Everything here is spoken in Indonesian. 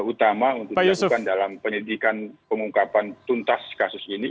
utama untuk diadukan dalam penyidikan pengungkapan tuntas kasus ini